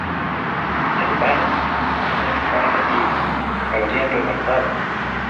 ¡En vano! ¡No estaban allí! se habrían retardado.